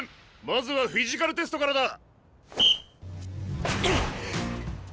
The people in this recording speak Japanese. まずはフィジカルテストからだ！